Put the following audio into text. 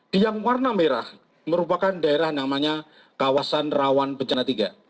di yang warna merah merupakan daerah namanya kawasan rawan bencana tiga